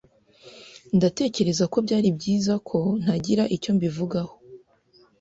Ndatekereza ko byari byiza ko ntagira icyo mbivugaho.